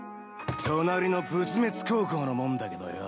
隣の仏滅高校のもんだけどよぉ。